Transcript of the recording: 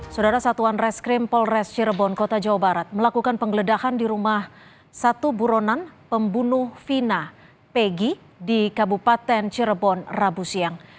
saudara satuan reskrim polres cirebon kota jawa barat melakukan penggeledahan di rumah satu buronan pembunuh vina pegi di kabupaten cirebon rabu siang